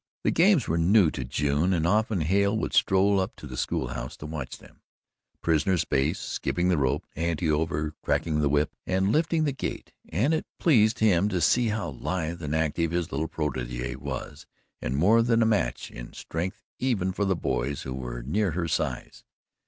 The games were new to June, and often Hale would stroll up to the school house to watch them Prisoner's Base, Skipping the Rope, Antny Over, Cracking the Whip and Lifting the Gate; and it pleased him to see how lithe and active his little protege was and more than a match in strength even for the boys who were near her size.